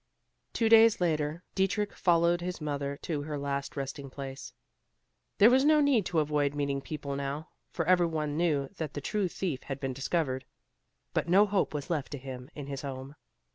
Two days later Dietrich followed his mother to her last resting place. There was no need to avoid meeting people now, for every one knew that the true thief had been discovered. But no hope was left to him in his home.